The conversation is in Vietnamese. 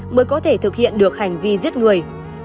mới có thể thực hiện được hành vi giết người